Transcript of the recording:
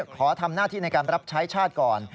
ขอทำหน้าที่ในการรับใช้ชาติก่อน